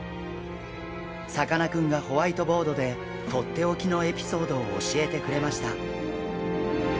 さかなクンがホワイトボードでとっておきのエピソードを教えてくれました。